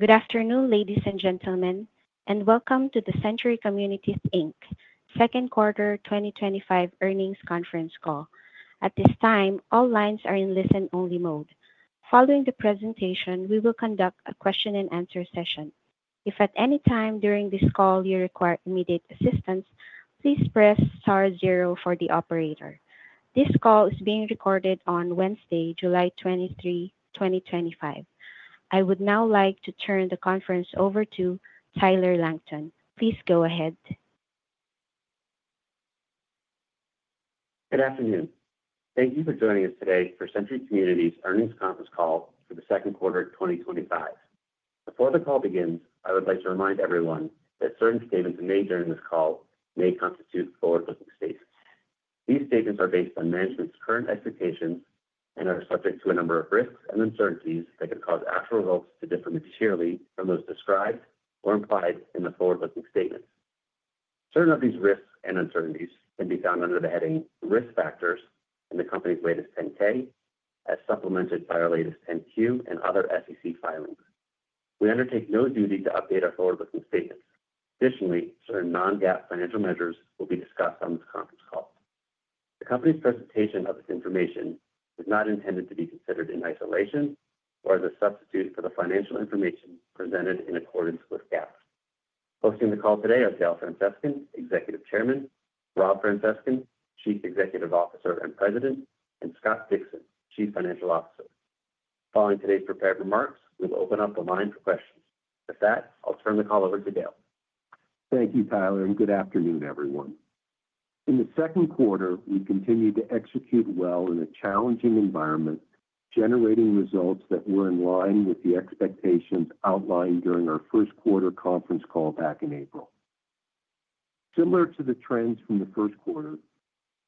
Good afternoon, ladies and gentlemen, and welcome to the Century Communities, Inc. second quarter 2025 earnings conference call. At this time, all lines are in listen-only mode. Following the presentation, we will conduct a question-and-answer session. If at any time during this call you require immediate assistance, please press star zero for the operator. This call is being recorded on Wednesday, July 23, 2025. I would now like to turn the conference over to Tyler Langton. Please go ahead. Good afternoon. Thank you for joining us today for Century Communities' earnings conference call for the second quarter 2025. Before the call begins, I would like to remind everyone that certain statements made during this call may constitute forward-looking statements. These statements are based on management's current expectations and are subject to a number of risks and uncertainties that could cause actual results to differ materially from those described or implied in the forward-looking statements. Certain of these risks and uncertainties can be found under the heading Risk Factors in the company's latest 10-K as supplemented by our latest 10-Q and other SEC filings. We undertake no duty to update our forward-looking statements. Additionally, certain non-GAAP financial measures will be discussed on this conference call. The company's presentation of this information is not intended to be considered in isolation or as a substitute for the financial information presented in accordance with GAAP. Hosting the call today are Dale Francescon, Executive Chairman, Rob Francescon, Chief Executive Officer and President, and J. Scott Dixon, Chief Financial Officer. Following today's prepared remarks, we will open up the line for questions. With that, I will turn the call over to Dale. Thank you, Tyler, and good afternoon everyone. In the second quarter, we continued to execute well in a challenging environment, generating results that were in line with the expectations outlined during our first quarter conference call back in April. Similar to the trends from the first quarter,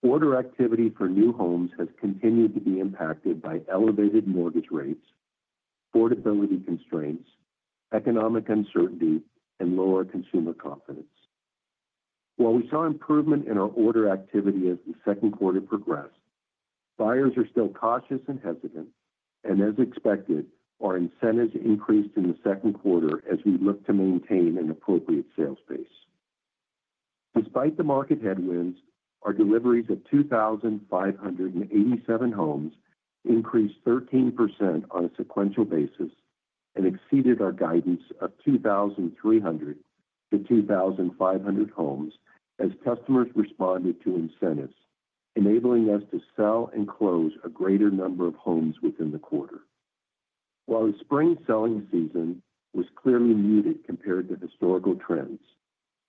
order activity for new homes has continued to be impacted by elevated mortgage rates, affordability constraints, economic uncertainty, and lower consumer confidence. While we saw improvement in our order activity as the second quarter progressed, buyers are still cautious and hesitant. As expected, our incentives increased in the second quarter as we look to maintain an appropriate sales base despite the market headwinds. Our deliveries of 2,587 homes increased 13% on a sequential basis and exceeded our guidance of 2,300-2,500 homes as customers responded to incentives, enabling us to sell and close a greater number of homes within the quarter. While the spring selling season was clearly muted compared to historical trends,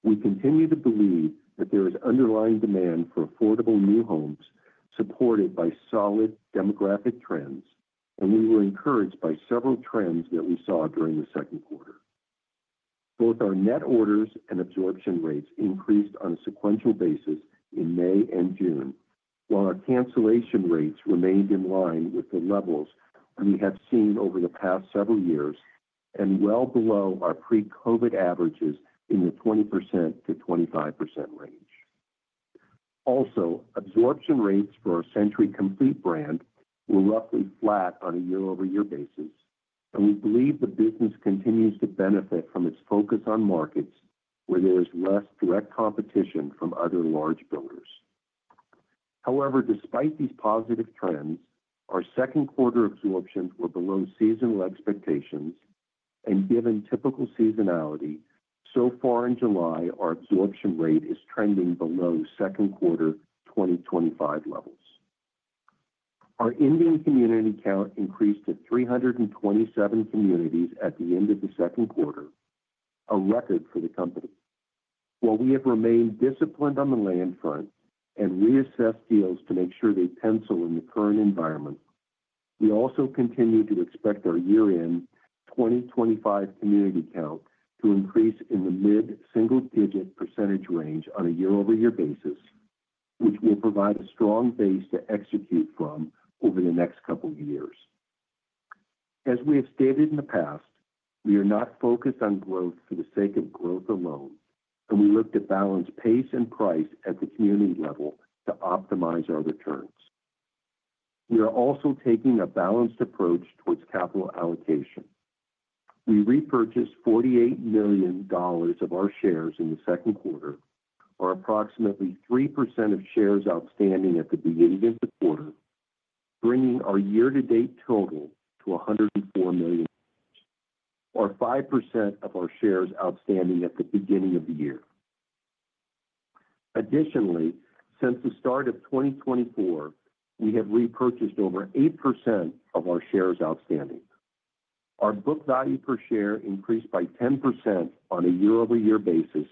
we continue to believe that there is underlying demand for affordable new homes supported by solid demographic trends, and we were encouraged by several trends that we saw during the second quarter. Both our net orders and absorption rates increased on a sequential basis in May and June, while our cancellation rates remained in line with the levels we have seen over the past several years and well below our pre-COVID averages in the 20%-25% range. Also, absorption rates for our Century Complete brand were roughly flat on a year-over-year basis, and we believe the business continues to benefit from its focus on markets where there is less direct competition from other large builders. However, despite these positive trends, our second quarter absorptions were below seasonal expectations, and given typical seasonality, so far in July our absorption rate is trending below second quarter 2024 levels. Our community count increased to 327 communities at the end of the second quarter, a record for the company. While we have remained disciplined on the land front and reassessed deals to make sure they pencil in the current environment, we also continue to expect our year-end 2024 community count to increase in the mid-single-digit percentage range on a year-over-year basis, which will provide a strong base to execute from over the next couple of years. As we have stated in the past, we are not focused on growth for the sake of growth alone, and we look to balance pace and price at the community level to optimize our returns. We are also taking a balanced approach towards capital allocation. We repurchased $48 million of our shares in the second quarter, or approximately 3% of shares outstanding at the beginning of the quarter, bringing our year-to-date total to $104 million, or 5% of our shares outstanding at the beginning of the year. Additionally, since the start of 2024, we have repurchased over 8% of our shares outstanding. Our book value per share increased by 10% on a year-over-year basis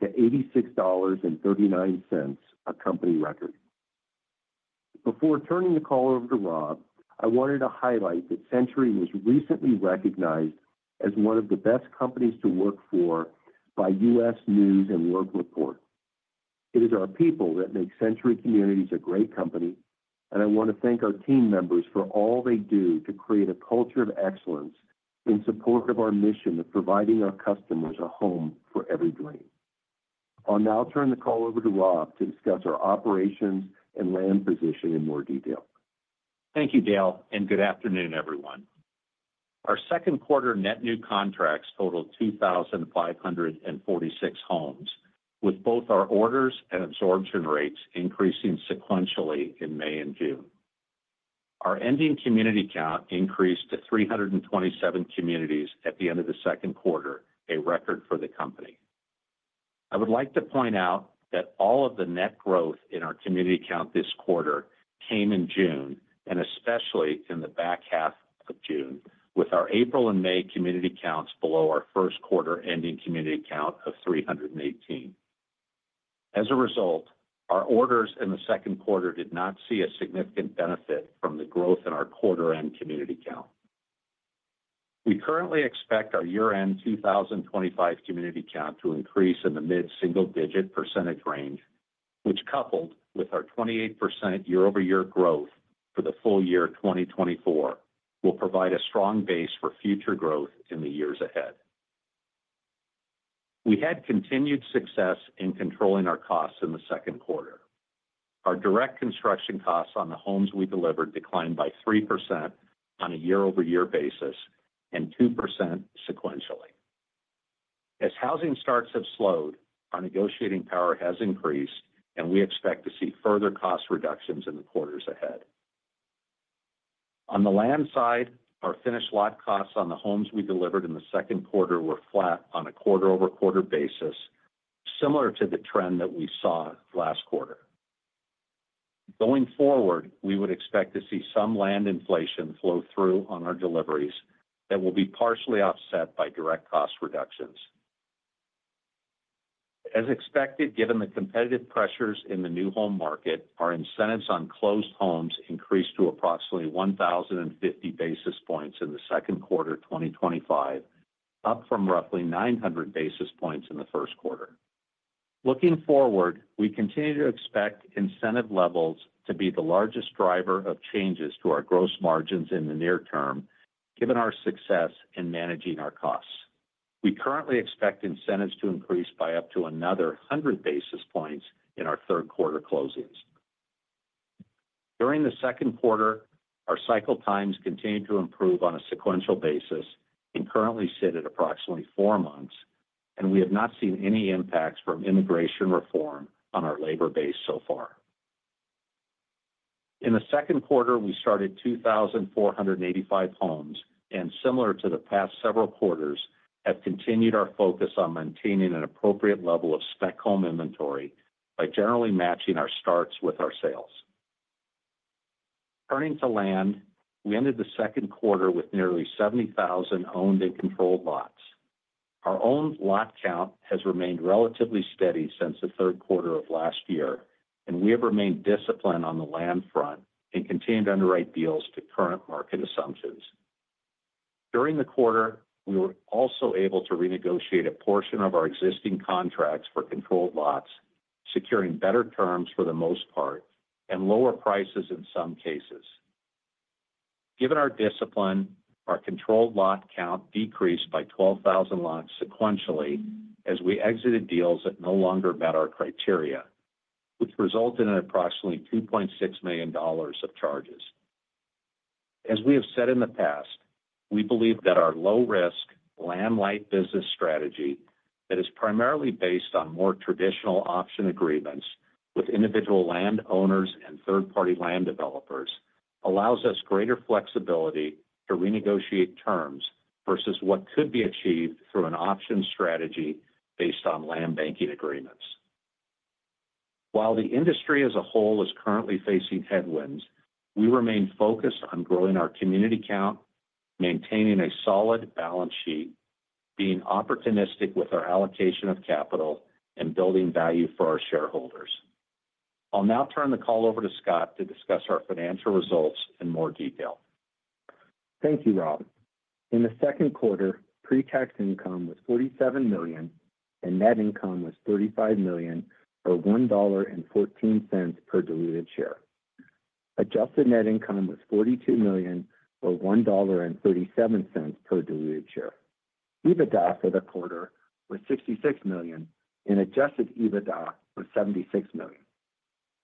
to $86.39, a company record. Before turning the call over to Rob, I wanted to highlight that Century was recently recognized as one of the best companies to work for by U.S. News & World Report. It is our people that make Century Communities a great company, and I want to thank our team members for all they do to create a culture of excellence in support of our mission of providing our customers a home for every dream. I'll now turn the call over to Rob to discuss our operations and land position in more detail. Thank you, Dale, and good afternoon everyone. Our second quarter net new contracts totaled 2,546 homes, with both our orders and absorption rates increasing sequentially in May and June. Our ending community count increased to 327 communities at the end of the second quarter, a record for the company. I would like to point out that all of the net growth in our community count this quarter came in June and especially in the back half of June with our April and May community counts below our first quarter ending community count of 318. As a result, our orders in the second quarter did not see a significant benefit from the growth in our quarter end community count. We currently expect our year end 2025 community count to increase in the mid single digit percentage range, which coupled with our 28% year-over-year growth for the full year 2024 will provide a strong base for future growth in the years ahead. We had continued success in controlling our costs in the second quarter. Our direct construction costs on the homes we delivered declined by 3% on a year-over-year basis and 2% sequentially. As housing starts have slowed, our negotiating power has increased and we expect to see further cost reductions in the quarters ahead. On the land side, our finished lot costs on the homes we delivered in the second quarter were flat on a quarter-over-quarter basis, similar to the trend that we saw last quarter. Going forward, we would expect to see some land inflation flow through on our deliveries that will be partially offset by direct cost reductions as expected. Given the competitive pressures in the new home market, our incentives on closed homes increased to approximately 1,050 basis points in the second quarter 2025, up from roughly 900 basis points in the first quarter. Looking forward, we continue to expect incentive levels to be the largest driver of changes to our gross margins in the near term. Given our success in managing our costs, we currently expect incentives to increase by up to another 100 basis points in our third quarter closings during the second quarter. Our cycle times continue to improve on a sequential basis and currently sit at approximately four months and we have not seen any impacts from immigration reform on our labor base so far. In the second quarter we started 2,485 homes and similar to the past several quarters have continued our focus on maintaining an appropriate level of spec inventory by generally matching our starts with our sales. Turning to land, we ended the second quarter with nearly 70,000 owned and controlled lots. Our owned lot count has remained relatively steady since the third quarter of last year and we have remained disciplined on the land front and continued to underwrite deals to current market assumptions during the quarter. We were also able to renegotiate a portion of our existing contracts for controlled lots, securing better terms for the most part and lower prices in some cases. Given our discipline, our controlled lot count decreased by 12,000 lots sequentially as we exited deals that no longer met our criteria, which resulted in approximately $2.6 million of charges. As we have said in the past, we believe that our low risk land-light business strategy that is primarily based on more traditional option agreements with individual land owners and third-party land developers allows us greater flexibility to renegotiate terms versus what could be achieved through an option strategy based on land banking agreements. While the industry as a whole is currently facing headwinds, we remain focused on growing our community count, maintaining a solid balance sheet, being opportunistic with our allocation of capital, and building value for our shareholders. I'll now turn the call over to Scott to discuss our financial results in more detail. Thank you, Rob. In the second quarter, pre-tax income was $47 million and net income was $35 million, or $1.14 per diluted share. Adjusted net income was $42 million, or $1.37 per diluted share. EBITDA for the quarter was $66 million and adjusted EBITDA was $76 million.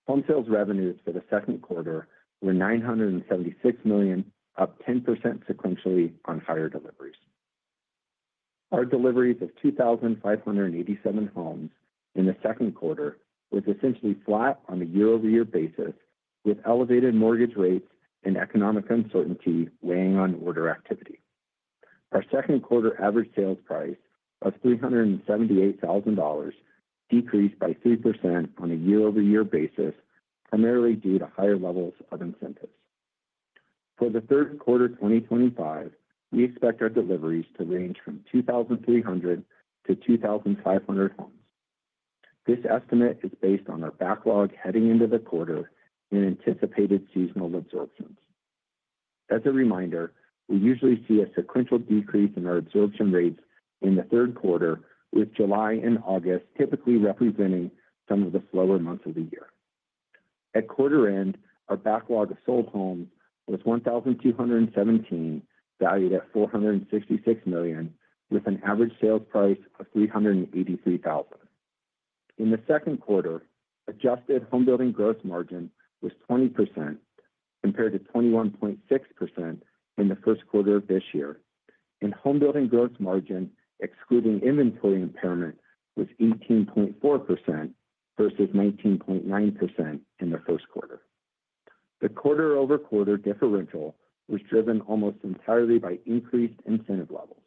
Home sales revenues for the second quarter were $976 million, up 10% sequentially on higher deliveries. Our deliveries of 2,587 homes in the second quarter was essentially flat on a year-over-year basis, with elevated mortgage rates and economic uncertainty weighing on order activity. Our second quarter average sales price of $378,000 decreased by 3% on a year-over-year basis, primarily due to higher levels of incentives. For the third quarter 2025, we expect our deliveries to range from 2,300-2,500 homes. This estimate is based on our backlog heading into the quarter and anticipated seasonal absorptions. As a reminder, we usually see a sequential decrease in our absorption rates in the third quarter, with July and August typically representing some of the slower months of the year. At quarter end, our backlog of sold homes was 1,217, valued at $466 million, with an average sales price of $383,000. In the second quarter, adjusted homebuilding gross margin was 20% compared to 21.6% in the first quarter of this year, and homebuilding gross margin excluding inventory impairment was 18.4% versus 19.9% in the first quarter. The quarter-over-quarter differential was driven almost entirely by increased incentive levels,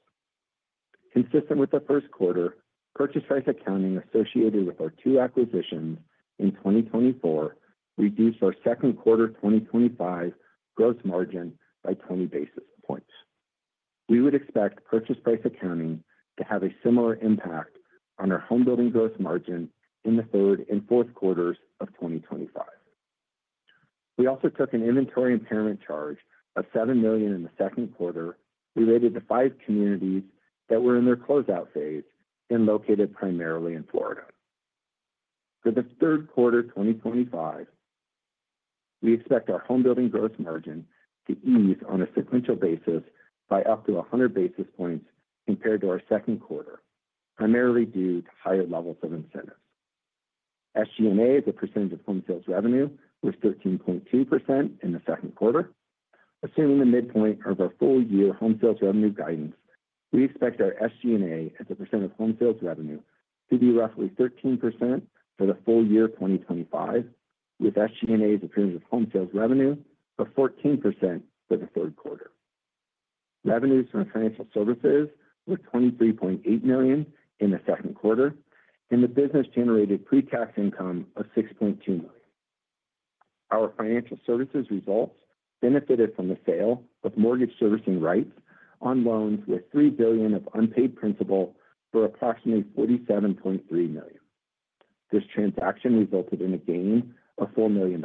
consistent with the first quarter. Purchase price accounting associated with our two. Acquisitions in 2024 reduced our second quarter 2025 gross margin by 20 basis points. We would expect purchase price accounting to have a similar impact on our homebuilding gross margin in the third and fourth quarters of 2025. We also took an inventory impairment charge of $7 million in the second quarter related to five communities that were in their closeout phase and located primarily in Florida. For the third quarter 2025, we expect our homebuilding gross margin to ease on a sequential basis by up to 100 basis points compared to our second quarter, primarily due to higher levels of incentives. SG&A as a percentage of home sales revenue was 13.2% in the second quarter. Assuming the midpoint of our full year home sales revenue guidance, we expect our SG&A as a percent of home sales revenue to be roughly 13% for the full year 2025, with SG&A as a percent of home sales revenue of 14% for the third quarter. Revenues from financial services were $23.8 million in the second quarter and the business generated pre-tax income of $6.2 million. Our financial services results are benefited from the sale of mortgage servicing rights on loans with $3 billion of unpaid principal for approximately $47.3 million. This transaction resulted in a gain of $4 million.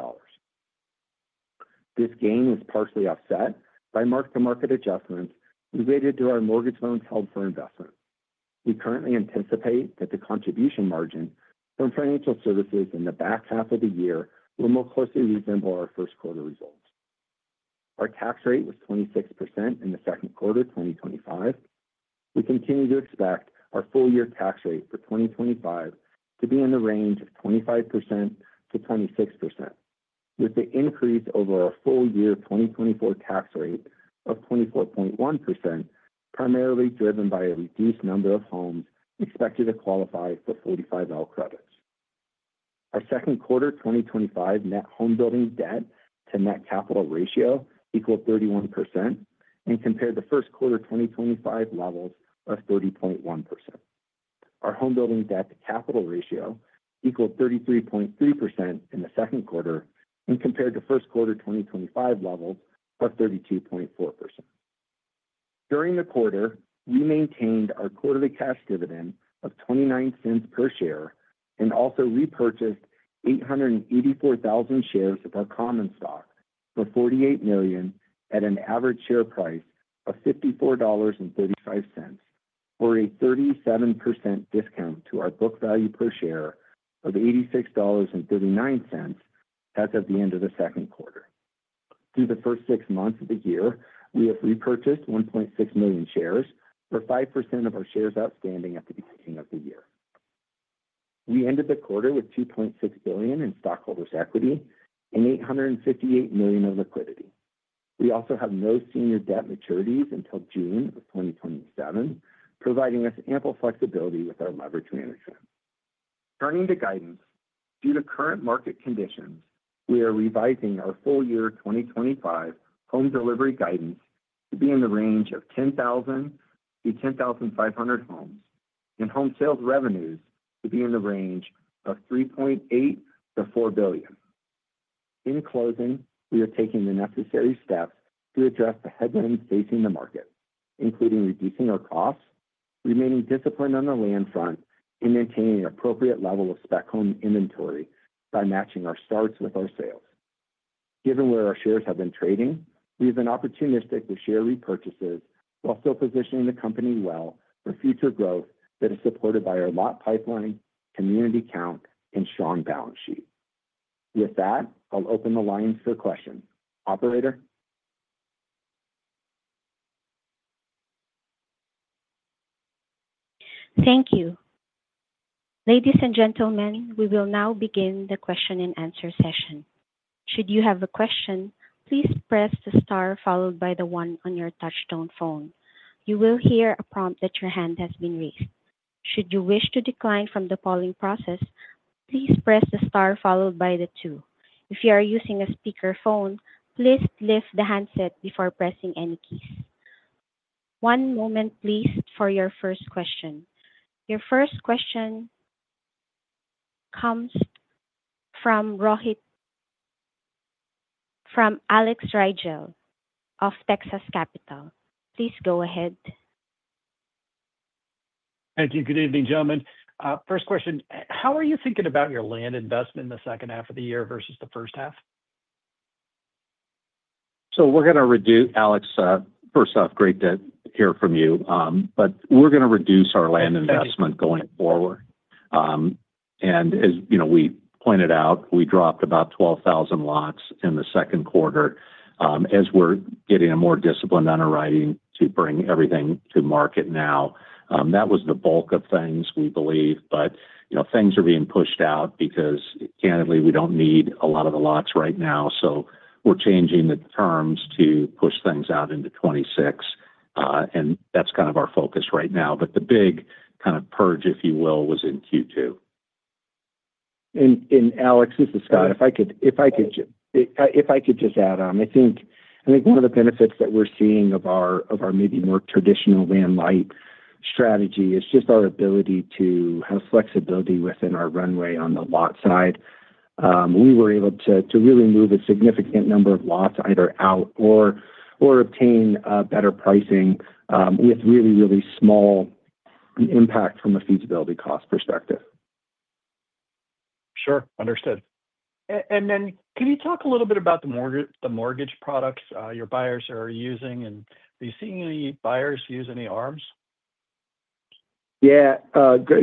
This gain was partially offset by mark to market adjustments related to our mortgage loans held for investment. We currently anticipate that the contribution margin. Financial services in the back half of the year will more closely resemble our first quarter results. Our tax rate was 26% in the second quarter 2025. We continue to expect our full year tax rate for 2025 to be in the range of 25%-26%, with the increase over a full year 2024 tax rate of 24.1% primarily driven by a reduced number of homes expected to qualify for 45L credits. Our second quarter 2025 net homebuilding debt to net capital ratio equaled 31% and compared to first quarter 2025 levels of 30.1%. Our homebuilding debt to capital ratio equaled 33.3% in the second quarter when compared to first quarter 2025 levels of 32.4%. During the quarter, we maintained our quarterly cash dividend of $0.29 per share. Also repurchased 884,000 shares of our common stock for $48 million at an average share price of $54.35 or a 37% discount to our book value per share of $86.39 as of the end of the second quarter. Through the first six months of the year we have repurchased 1.6 million shares or 5% of our shares outstanding the beginning of the year, we ended the quarter with $2.6 billion in stockholders' equity and $858 million of liquidity. We also have no senior debt maturities until June of 2027, providing us ample flexibility with our leverage management. Turning to guidance, due to current market conditions, we are revising our full year 2025 home delivery guidance to be in the range of 10,000-10,500 homes and home sales revenues to be in the range of $3.8 billion-$4 billion. In closing, we are taking the necessary steps to address the headwinds facing the market, including reducing our costs, remaining disciplined on the land front, and maintaining an appropriate level of spec inventory matching our starts with our sales. Given where our shares have been trading, we have been opportunistic to share repurchases while still positioning the company well for future growth. That is supported by our lot pipeline community count and strong balance sheet. With that, I'll open the lines for questions. Operator. Thank you, ladies and gentlemen. We will now begin the question-and-answer session. Should you have a question, please press the star followed by the one on your touch-tone phone. You will hear a prompt that your hand has been raised. Should you wish to decline from the polling process, please press the star followed by the two. If you are using a speakerphone, please lift the handset before pressing any keys. One moment, please, for your first question. Your first question comes from Alex Rygiel of Texas Capital. Please go ahead. Thank you. Good evening, gentlemen. First question, how are you thinking about your land investment in the second half of the year versus the first half? Alex, first off, great to hear from you. We're going to reduce our land investment going forward. As you know, we pointed out, we dropped about 12,000 lots in the second quarter as we're getting a more disciplined underwriting to bring everything to market. That was the bulk of things, we believe, but things are being pushed out because, candidly, we don't need a lot of the lots right now. We're changing the terms to push things out into 2026, and that's kind of our focus right now. The big kind of purge, if you will, was in Q2. Alex, this is Scott. If I could just add on, I think one of the benefits that we're seeing of our maybe more traditional land-light strategy is just our ability to have flexibility within our runway. On the lot side, we were able to really move a significant number of lots either out or obtain better pricing with really small impact from a feasibility cost perspective. Sure, understood. Can you talk a little bit about the mortgage products your buyers are using and are you seeing any buyers use any ARMs?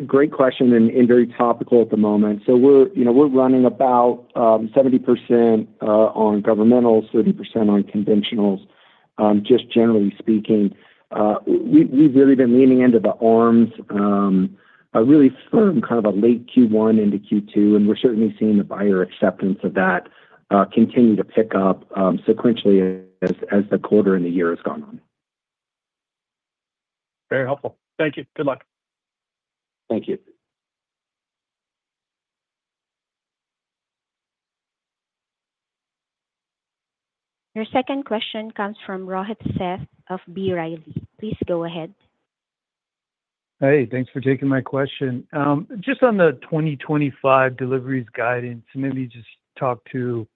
Great question and very topical at the moment. We're running about 70% on governmentals, 30% on conventionals. Just generally speaking, we've really been leaning into the ARMs really from kind of a late Q1 into Q2, and we're certainly seeing the buyer acceptance of that continue to pick up sequentially as the quarter and the year has gone on. Very helpful, thank you. Good luck. Thank you. Your second question comes from Rohit Seth of B. Riley. Please go ahead. Hey, thanks for taking my question. Just on the 2025 deliveries guidance, maybe just talk to,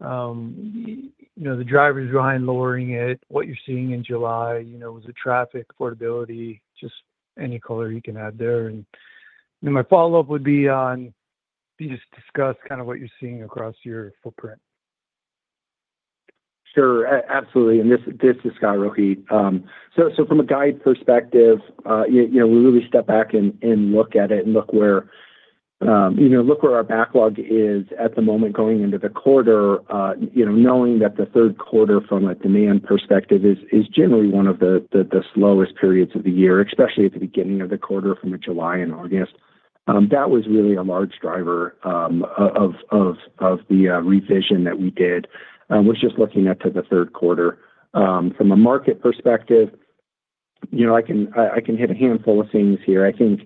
you know, the drivers behind lowering it. What you're seeing in July, you know, was it traffic, affordability, just any color you can add there. My follow up would be on you just discuss kind of what you're seeing across your footprint. Sure, absolutely. This is Scott, Rohit. From a guide perspective, we really step back and look at it and look where our backlog is at the moment going into the quarter. Knowing that the third quarter from a demand perspective is generally one of the slowest periods of the year, especially at the beginning of the quarter, that was really a large driver of the revision that we did, just looking at the third quarter from a market perspective. I can hit a handful of things here. I think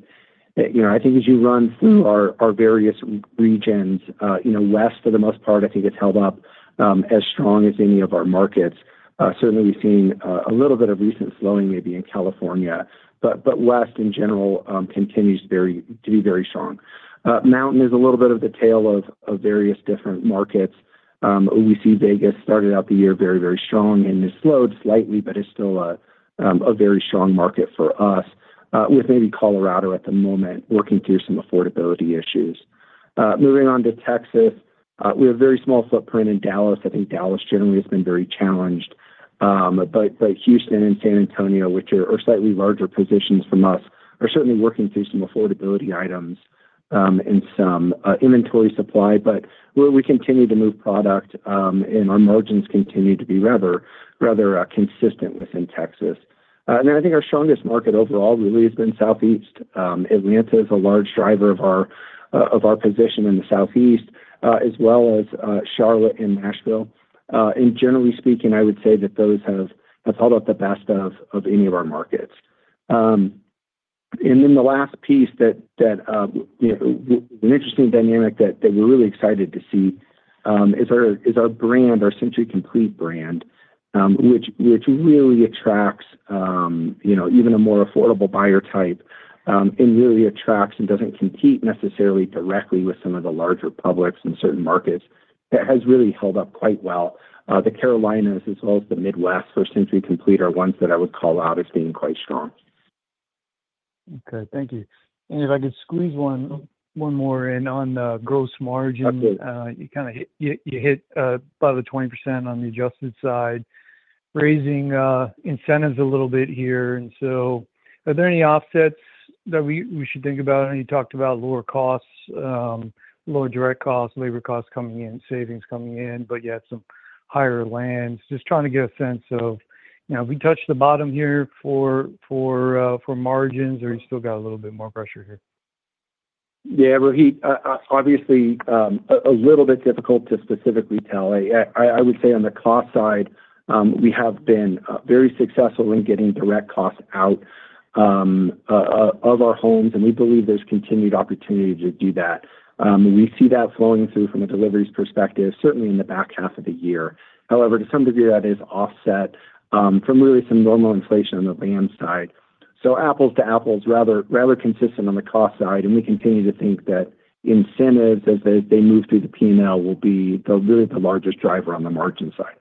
as you run through our various regions, west for the most part, I think it's held up as strong as any of our markets. Certainly we've seen a little bit of recent slowing, maybe in California, but west in general continues to be very strong. Mountain is a little bit of the tale of various different markets we see. Vegas started out the year very, very strong and slowed slightly, but it's still a very strong market for us, with maybe Colorado at the moment working through some affordability issues. Moving on to Texas, we have a very small footprint in Dallas. I think Dallas generally has been very challenged, but Houston and San Antonio, which are slightly larger positions for us, are certainly working through some affordability items and some inventory supply. We continue to move product and our margins continue to be rather consistent within Texas. I think our strongest market overall really has been Southeast. Atlanta is a large driver of our position in the Southeast as well as Charlotte and Nashville. Generally speaking, I would say that those have, that's all about the best of any of our markets. The last piece, an interesting dynamic that we're really excited to see, is our brand, our Century Complete brand, which really attracts even a more affordable buyer type and really attracts and doesn't compete necessarily directly with some of the larger publics in certain markets has really held up quite well, the Carolinas as well as the Midwest. For Century Complete are ones that I would call out as being quite strong. Okay, thank you. If I could squeeze one more in on gross margin, you hit by the 20% on the adjusted side, raising incentives a little bit here. Are there any offsets that we should think about? You talked about lower costs, lower direct costs, labor costs coming in, savings coming in, but yet some higher lands. Just trying to get a sense of if we touched the bottom here for margins or you still got a little bit more pressure here. Yeah, Rohit, obviously a little bit difficult to specifically tell. I would say on the cost side, we have been very successful in getting direct costs out of our homes and we believe there's continued opportunity to do that. We see that flowing through from a deliveries perspective certainly in the back half of the year. However, to some degree that is offset from really some normal inflation on the land side. Apples-to-apples, rather consistent on the cost side. We continue to think that incentives as they move through the P&L will be really the largest driver on the margin side.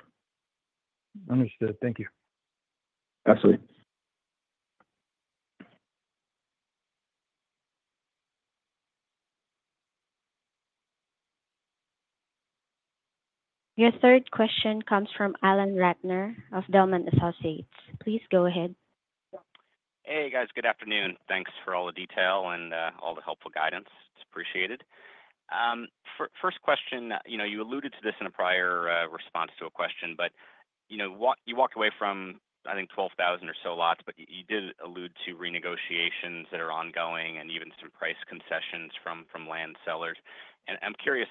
Understood. Thank you. Absolutely. Your third question comes from Alan Ratner of Zelman & Associates. Please go ahead. Hey guys, good afternoon. Thanks for all the detail and all the helpful guidance. It's appreciated. First question, you alluded to this in a prior response to a question, but you walked away from, I think, 12,000 or so lots. You did allude to renegotiations that are ongoing and even some price concessions from land sellers. I'm curious,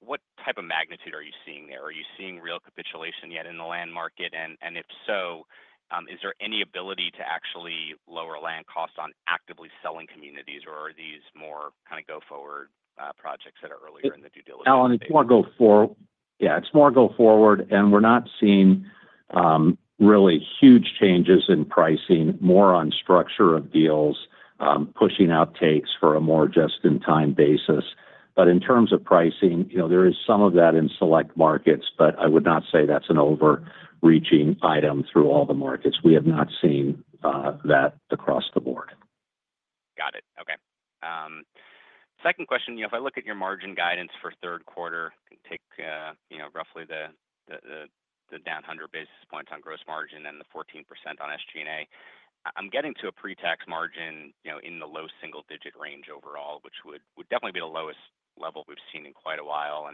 what type of magnitude are you seeing there? Are you seeing real capitulation yet in the land market? If so, is there any ability to actually lower land costs on actively selling communities, or are these more kind of go-forward projects that are earlier in the due diligence? Alan, if you want to go forward. it's more go forward and we're not seeing really huge changes in pricing, more on structure of deals, pushing out takes for a more just in time basis. In terms of pricing, you know, there is some of that in select markets. I would not say that's an overreaching item through all the markets. We have not seen that across the board. Got it. Okay, second question. If I look at your margin guidance for third quarter, take roughly the down 100 basis points on gross margin and the 14% on SGA. I'm getting to a pretax margin in the low single digit range overall, which would definitely be the lowest level we've seen in quite a while.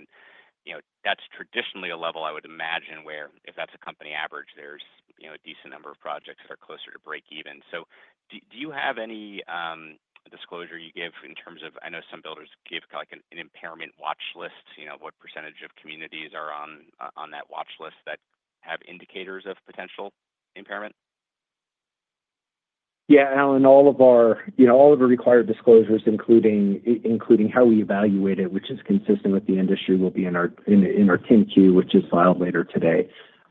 That's traditionally a level I would imagine where if that's a company average, there's a decent number of projects that are closer to break even. Do you have any disclosure you give in terms of, I know some builders give like an impairment watch list, you know what percentage of communities are on that watch list that have indicators of potential impairment? Alan, all of our required disclosures, including how we evaluate it, which is consistent with the industry, will be in our 10-Q which is filed later today.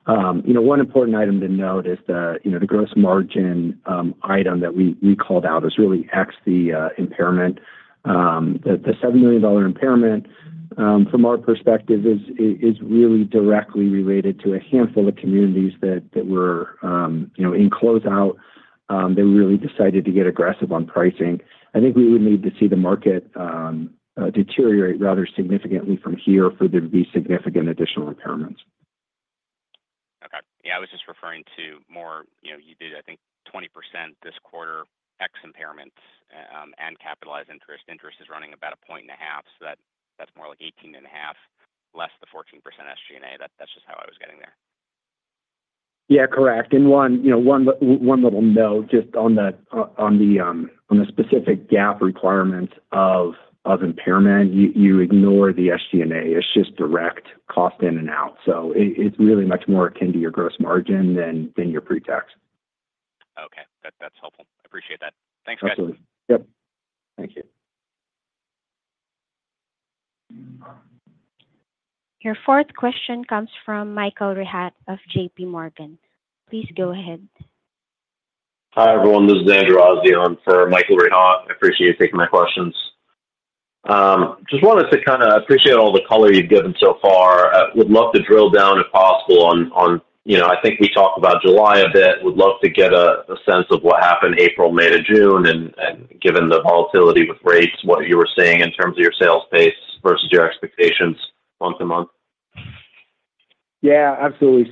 One important item to note is the gross margin item that we called out is really X the impairment. The $7 million impairment from our perspective is really directly related to a handful of communities that were in closeout, they really decided to get aggressive on pricing. I think we would need to see the market deteriorate rather significantly from here for there to be significant additional impairments. Okay. Yeah, I was just referring to more, you know, you did, I think, 20% this quarter. X impairments and capitalized interest. Interest is running about 1.5%, that's more like 18.5% less the 14% SG&A. That's just how I was getting there. Yeah, correct. One little note just on the, on the the specific GAAP requirements of impairment. You ignore the SG&A. It's just direct cost in and out. It's really much more akin to then your pre-tax. Okay, that's helpful. I appreciate that. Thanks. Absolutely. Yep. Thank you. Your fourth question comes from Michael Rehaut of JPMorgan. Please go ahead. Hi everyone, this is Andrew Azzi on for Michael Rehaut. I appreciate you taking my questions. Just wanted to kind of appreciate all the color you've given so far. Would love to drill down if possible on, you know, I think we talk about July a bit. Would love to get a sense of what happened April, May to June. Given the volatility with rates, what you were seeing in terms of your sales pace versus your expectations month to month. Yeah, absolutely.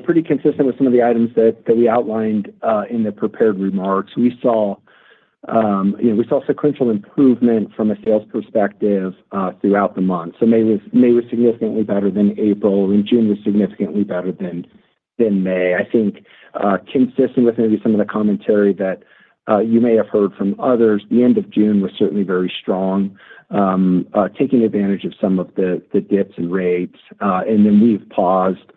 Pretty consistent with some of the items that we outlined in the prepared remarks, we saw sequential improvement from a sales perspective throughout the month. May was significantly better than April, and June was significantly better than May. I think consistent with maybe some of the commentary that you may have heard from others, the end of June was certainly very strong, taking advantage of some of the dips in rates. We've paused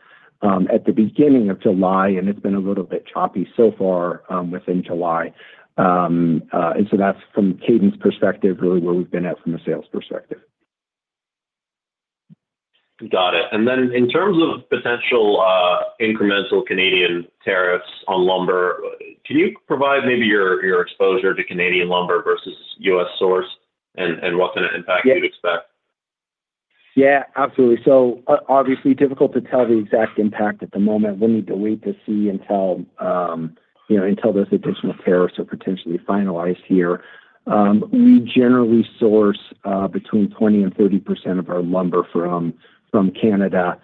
at the beginning of July, and it's been a little bit choppy so far within July. That's from a cadence perspective, really where we've been at from a sales perspective. Got it. In terms of potential incremental Canadian tariffs on lumber, can you provide maybe your exposure to Canadian lumber versus U.S. source and what kind of impact you'd expect? Absolutely. Obviously, it is difficult to tell the exact impact at the moment. We will need to wait to see until those additional tariffs are potentially finalized here. We generally source between 20% and 30% of our lumber from Canada.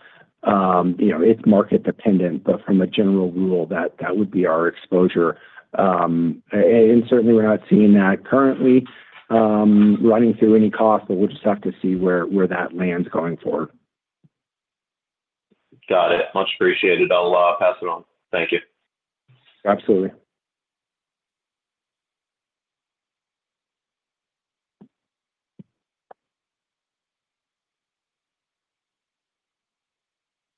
It is market dependent, but as a general rule, that would be our exposure. Certainly, we are not seeing that currently running through any cost, but we will just have to see where that lands going forward. Got it. Much appreciated. I'll pass it on. Thank you. Absolutely.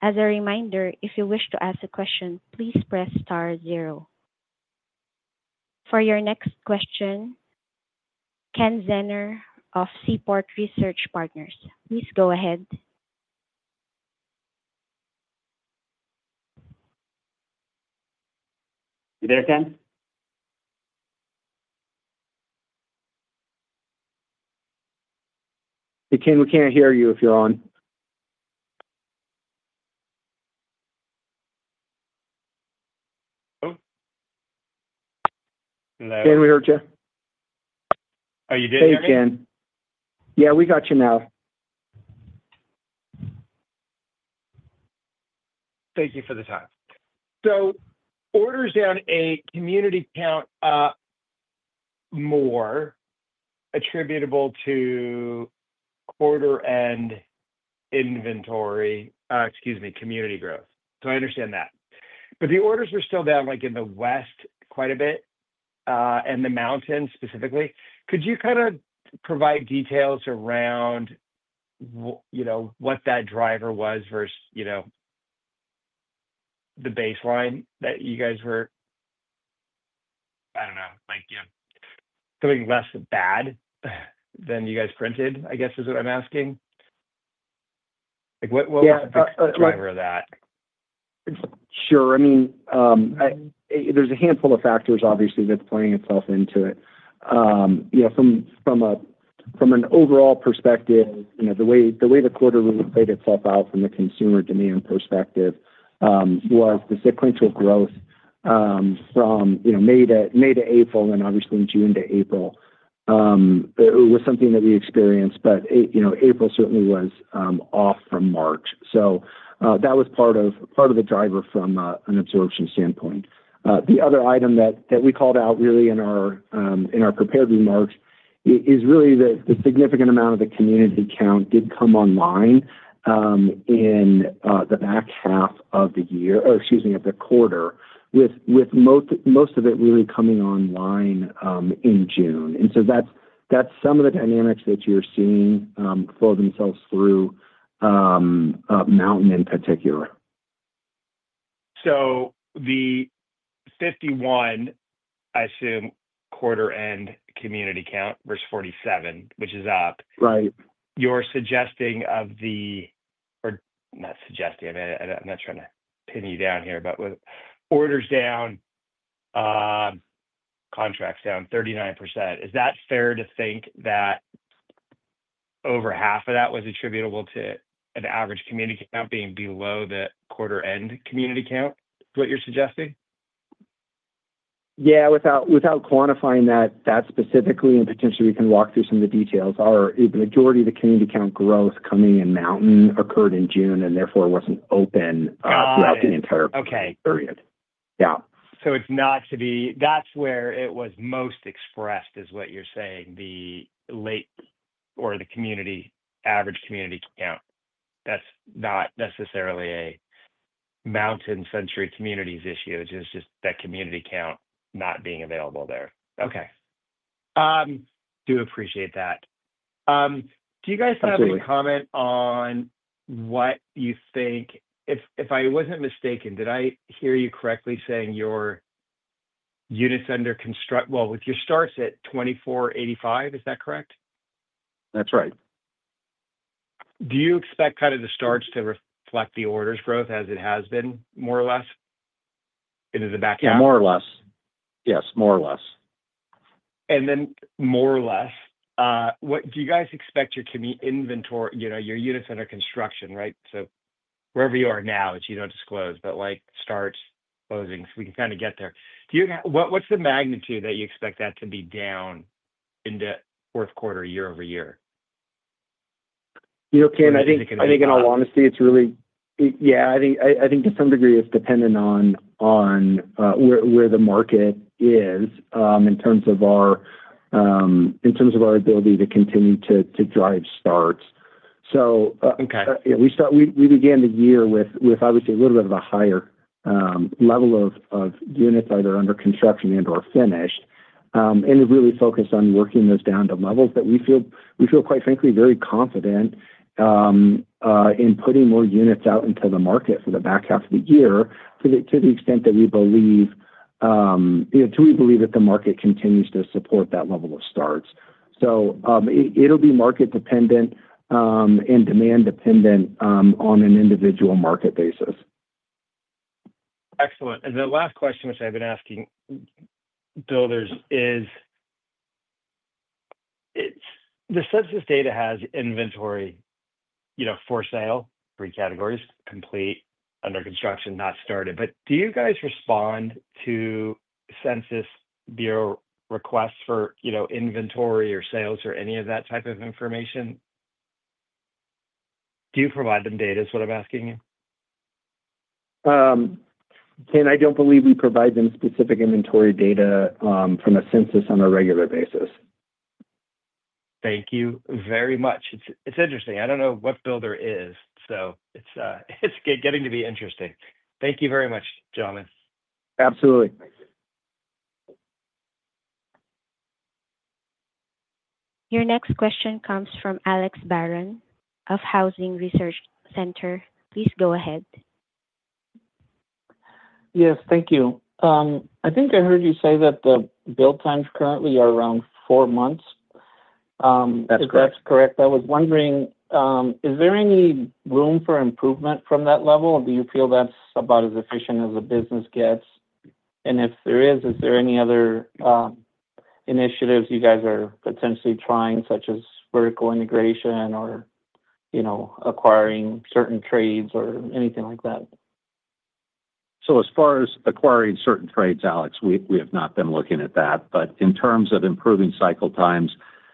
As a reminder, if you wish to ask a question, please press star zero for your next question. Ken Zener of Seaport Research Partners, please go ahead. You there, Ken? You can. We can't hear you if you're on. Can we hear you? Oh, you did. Yeah, we got you now. Thank you for the time. Orders down, a community count more attributable to quarter end inventory, excuse me, community growth. I understand that, but the orders are still down like in the West quite a bit and the mountain specifically. Could you kind of provide details around what that driver was versus the baseline that you guys were, I don't know, like, you know, something less bad than you guys printed, I guess is what I'm asking. What was that? Sure. I mean, there's a handful of factors obviously that's playing itself into it from an overall perspective. The way the quarter really played itself out from the consumer demand perspective was the sequential growth from May to April, and obviously June to April was something that we experienced, but April certainly was off from March. That was part of the driver from an absorption standpoint. The other item that we called out in our prepared remarks is the significant amount of the community count did come online in the back half of the year, or excuse me, of the quarter, with most of it really coming online in June. That's some of the dynamics that you're seeing flow themselves through Mountain in particular. The 51%, I assume, is quarter end community count versus 47%, which is up, you're suggesting the. I'm not trying to pin you down here. With orders down, contracts down 39%, is that fair to think that over half of that was attributable to an average community count being below the quarter end community count what you're suggesting? Without quantifying that specifically, and potentially we can walk through some of the details. Are the majority of the community count growth coming in Mountain occurred in June and therefore wasn't open throughout the entire period. Yeah. That's where it was most expressed, is what you're saying. The late or the average community count. That's not necessarily a Century Communities issue, it's just that community count not being available there. I do appreciate that. Do you guys have any comment on what you think, if I wasn't mistaken, did I hear you correctly saying your units under construct, with your starts at 24%, 85%, is that correct? That's right. Do you expect kind of the starts to reflect the orders growth as it has been more or less into the back? Yes, more or less. What do you guys expect your community inventory, you know, your units under construction, right, so wherever you are now that you don't disclose but like start closing so we can kind of get there. Do you, what's the magnitude that you expect that to be down in the fourth quarter year-over-year? Ken, I think in all honesty it's really, I think to some degree it's dependent on where the market is in terms of our ability to continue to drive starts. We began the year with obviously a little bit of a higher level of units either under construction or finished and to really focus on working those down to levels that we feel, quite frankly, very confident in putting more units out into the market for the back half of the year to the extent that we believe the market continues to support that level of starts. It will be market dependent and demand dependent on an individual market basis. Excellent. The last question which I've been asking builders is it's the census data. Has inventory, you know, for sale, three categories, complete, under construction, not started. Do you guys respond to Census Bureau requests for, you know, inventory or sales or any of that type of information? Do you provide them data is what I'm asking you. I don't believe we provide them specific inventory data from a census on a regular basis. Thank you very much. It's interesting. I don't know what builder is, so it's getting to be interesting. Thank you very much, gentlemen. Absolutely. Your next question comes from Alex Barrón of Housing Research Center. Please go ahead. Yes, thank you. I think I heard you say that the build times currently are around four months. That's correct. I was wondering, is there any room for improvement from that level? Do you feel that's about as efficient as the business gets, is there any other initiatives you guys are potentially trying such as vertical integration or acquiring certain trades or anything like that? As far as acquiring certain trades, Alex, we have not been looking at that. In terms of improving cycle times,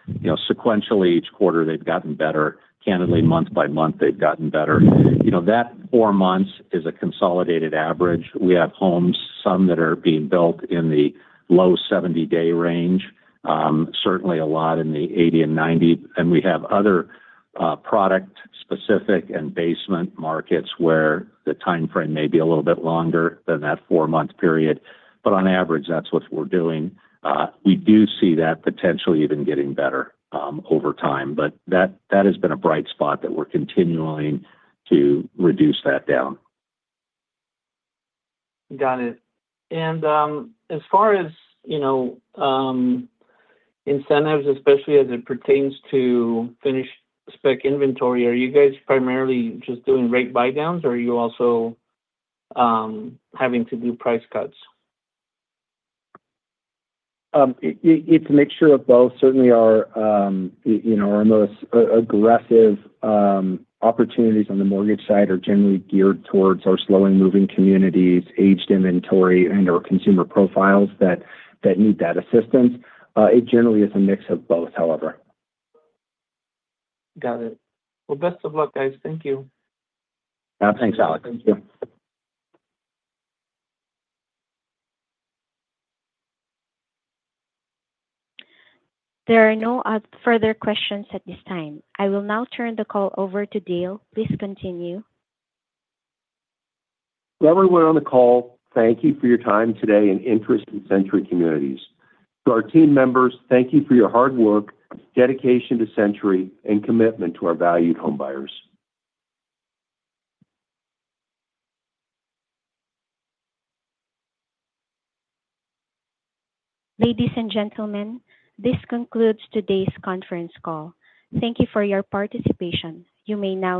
sequentially each quarter they've gotten better. Candidly, month by month they've gotten better. That four months is a consolidated average. We have homes, some that are being built in the low 70-day range, certainly a lot in the 80 and 90. We have other product specific and basement markets where the timeframe may be a little bit longer than that four-month period. On average that's what we're doing. We do see that potentially even getting better over time. That has been a bright spot that we're continuing to reduce that down. Got it. As far as, you know, incentives, especially as it pertains to finished spec inventory, are you guys primarily just doing rate buy downs or are you also having to do price cuts? It's a mixture of both. Certainly are. Our most aggressive opportunities on the mortgage side are generally geared towards our slow moving communities, aged inventory, and consumer profiles that need that assistance. It generally is a mix of both, however. Got it. Best of luck guys. Thank you. Thanks, Alex. Thank. You. There are no further questions at this time. I will now turn the call over to Dale. Please continue. To everyone on the call, thank you for your time today and interest in Century Communities. To our team members, thank you for your hard work, dedication to Century, and. Commitment to our valued home buyers. Ladies and gentlemen, this concludes today's conference call. Thank you for your participation. You may now disconnect.